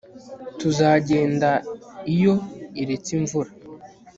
tuzagenda iyo iretse imvura